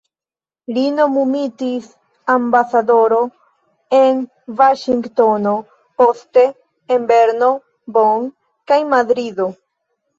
Li nomumitis ambasadoro en Vaŝingtono, poste en Berno, Bonn kaj Madrido.